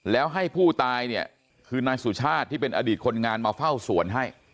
แล้วให้ผู้ตายเนี่ยคือนายสุชาติที่เป็นอดีตคนงานมาเฝ้าสวนให้